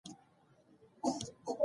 د علم حاصلول د پرمختګ لپاره ګټور دی.